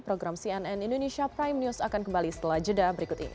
program cnn indonesia prime news akan kembali setelah jeda berikut ini